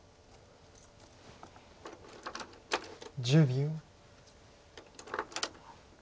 １０秒。